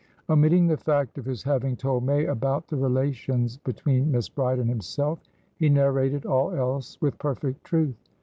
Omitting the fact of his having told May about the relations between Miss Bride and himself, he narrated all else with perfect truth.